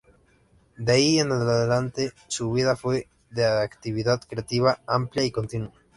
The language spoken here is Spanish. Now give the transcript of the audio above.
De ahi en adelante su vida fue de actividad creativa amplia y continua.